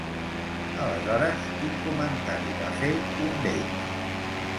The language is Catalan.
Aleshores, quin comentari va fer un d'ells?